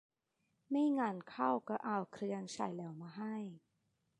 ไม่งั้นเขาก็เอาเครื่องใช้แล้วมาให้